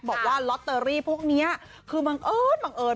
บอกว่าลอตเตอรี่พวกนี้คือมังเอิญ